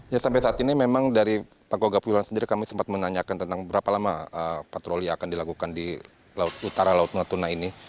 ya sampai saat ini memang dari pagogapulan sendiri kami sempat menanyakan tentang berapa lama patroli akan dilakukan di utara laut natuna ini